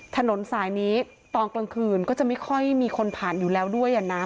ถนนสายนี้ตอนกลางคืนก็จะไม่ค่อยมีคนผ่านอยู่แล้วด้วยอ่ะนะ